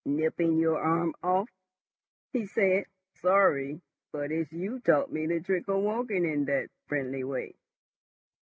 "Nipping your arm off?" he said. "Sorry. But it's you taught me the trick of walking in that friendly way."